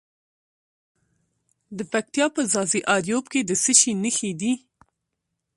د پکتیا په ځاځي اریوب کې د څه شي نښې دي؟